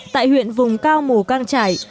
tại huyện vùng cao mù cang trải